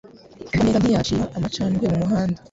Umugwaneza ntiyacira amacandwe mumuhanda.